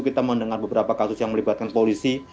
kita mendengar beberapa kasus yang melibatkan polisi